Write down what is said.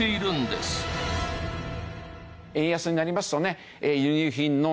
円安になりますとね。